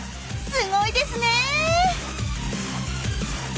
すごいですね！